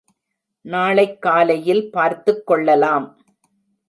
நாளைக் காலையில் பார்த்துக்கொள்ளலாம்.